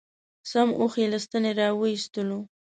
سم اوښ یې له ستنې را و ایستلو.